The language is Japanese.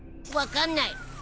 分かんない。